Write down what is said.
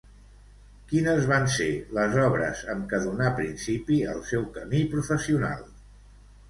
Quines van ser les obres amb què donà principi al seu camí professional?